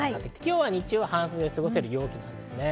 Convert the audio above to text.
日中は半袖で過ごせる陽気です。